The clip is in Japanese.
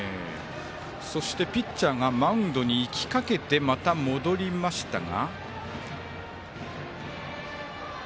そして、ピッチャーがマウンドに行きかけてまた戻りましたが。